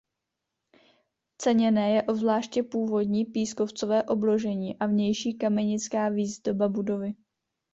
Ceněné je obzvláště původní pískovcové obložení a vnější kamenická výzdoba budovy.